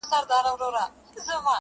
د خوارانو لاس به درسي تر ګرېوانه٫